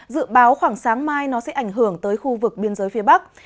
dự báo khoảng sáng mai nó sẽ ảnh hưởng tới khu vực biên giới phía bắc